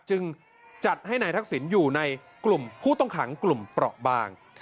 จึงจัดให้นายทักษิณอยู่ในกลุ่มผู้ต้องขังกลุ่มเปราะบาง